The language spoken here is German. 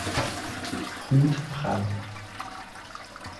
Ruth Brandt